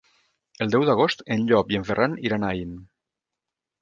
El deu d'agost en Llop i en Ferran iran a Aín.